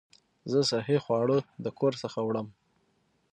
زه صحي خواړه د کور څخه وړم.